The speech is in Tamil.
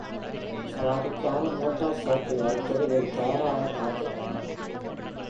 சவாரிக்காக மோட்டார் சைக்கிள்கள் தெருவில் தயாராகக் காத்திருக்கின்றன.